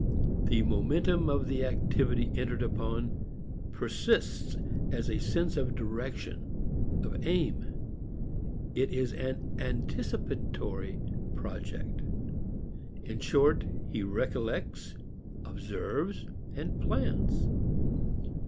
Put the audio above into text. The momentum of the activity entered upon persists as a sense of direction, of aim; it is an anticipatory project. In short, he recollects, observes and plans.